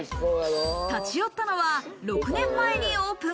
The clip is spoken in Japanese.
立ち寄ったのは６年前にオープン。